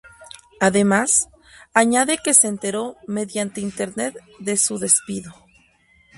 Además, añade que se enteró mediante Internet de su despido.